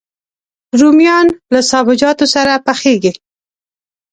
رومیان له سابهجاتو سره پخېږي